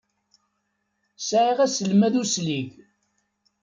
Sɛiɣ aselmad uslig.